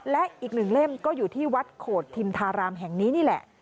และอีกหนึ่งเล่มก็อยู่ที่วัดโขดทิมธารามแห่งนี้นี่แหละ